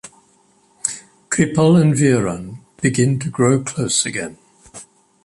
Kripal and Veeran begin to grow close again.